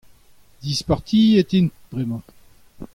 dispartiet int bremañ.